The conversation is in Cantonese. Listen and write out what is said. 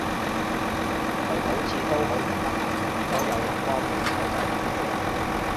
佢好似都好唔得閒，如果有人幫佢手就最好嘞